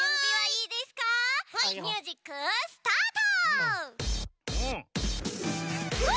ミュージックスタート！